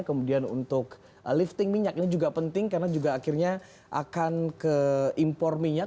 kemudian untuk lifting minyak ini juga penting karena juga akhirnya akan ke impor minyak